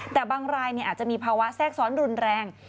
แต่บางรายอาจจะมีภาวะแทรกซ้อนรุนแรง